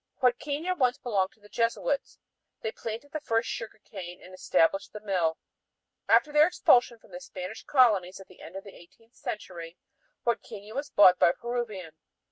Huadquiña once belonged to the Jesuits. They planted the first sugar cane and established the mill. After their expulsion from the Spanish colonies at the end of the eighteenth century, Huadquiña was bought by a Peruvian.